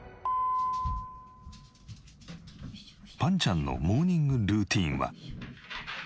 ぱんちゃんのモーニングルーティンは。